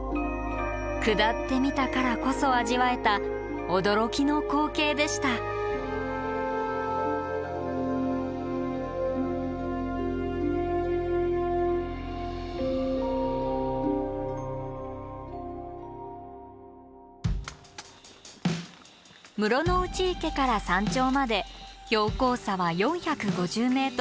下ってみたからこそ味わえた驚きの光景でした室ノ内池から山頂まで標高差は４５０ｍ。